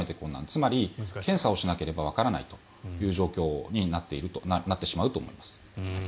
つまり検査をしなければわからないという状況になってしまうと思います。